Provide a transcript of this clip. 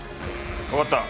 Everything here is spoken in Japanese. わかった。